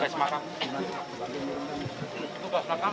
jadi paso kan